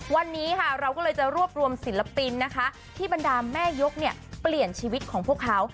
วันนี้ค่ะเราก็เลยจะรวบรวมศิลปินนะคะที่บรรดาแม่ยกเนี่ยเปลี่ยนชีวิตของพวกเขา